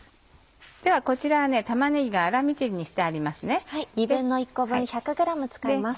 ではこちらは玉ねぎが粗みじんにしてあります。